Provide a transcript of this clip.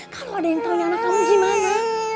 kalau ada yang tau ini anak kamu gimana